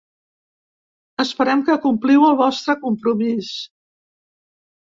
Esperem que compliu el vostre compromís.